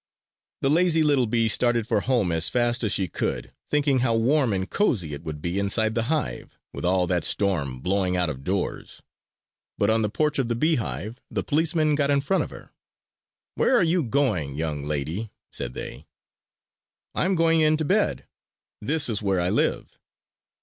The lazy little bee started for home as fast as she could, thinking how warm and cozy it would be inside the hive, with all that storm blowing out of doors. But on the porch of the beehive the policemen got in front of her. "Where are you going, young lady?" said they. "I am going in to bed. This is where I live!"